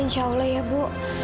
insya allah ya bu